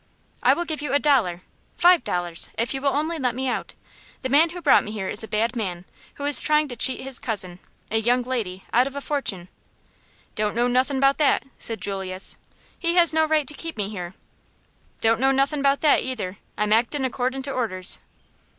"I will give you a dollar five dollars if you will only let me out. The man who brought me here is a bad man, who is trying to cheat his cousin a young lady out of a fortune." "Don't know nothin' 'bout that," said Julius. "He has no right to keep me here." "Don't know nothin' 'bout that, either. I'm actin' accordin' to orders."